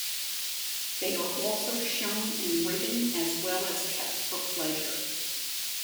They are also shown and ridden, as well as kept for pleasure.